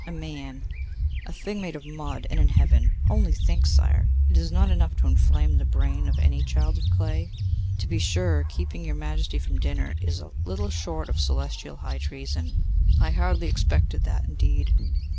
A man, a thing made of mud, and in Heaven! Only think, sire! Is it not enough to inflame the brain of any child of clay? To be sure, keeping your Majesty from dinner is little short of celestial high treason. I hardly expected that, indeed.